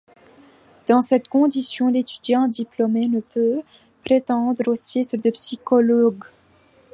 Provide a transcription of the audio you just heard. Dans ces conditions, l'étudiant diplômé ne peut prétendre au titre de psychologue.